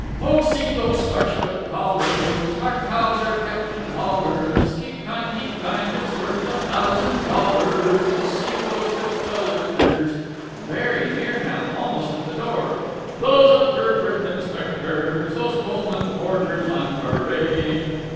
"Oh, see those starched up collars! Hark how their captain hollers 'Keep time! Keep time!' It's worth a thousand dollars To see those tip collectors...." Very near now. Almost at the door. "Those upper berth inspectors, Those Pullman porters on parade!"